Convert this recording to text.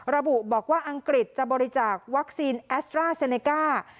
ระบุบอกว่าอังกฤษจะบริจาควัคซีนแอสตราเซเนก้า